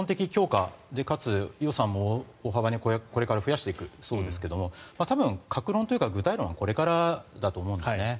抜本的強化でかつ予算も、大幅にこれから増やしていくそうですが多分、各論というか具体論はこれからだと思うんですね。